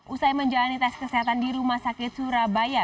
usai menjalani tes kesehatan di rumah sakit surabaya